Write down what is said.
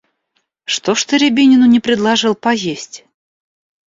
Что ж ты Рябинину не предложил поесть?